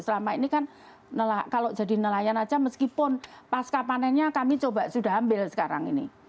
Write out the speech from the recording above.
selama ini kan kalau jadi nelayan saja meskipun pasca panennya kami coba sudah ambil sekarang ini